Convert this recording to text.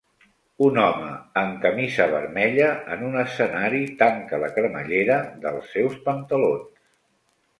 Un home amb camisa vermella en un escenari tanca la cremallera dels seus pantalons.